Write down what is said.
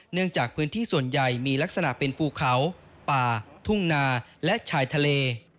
เนื่องจากพื้นที่ส่วนใหญ่มีลักษณะเป็นภูเขาป่าทุ่งนาและชายทะเล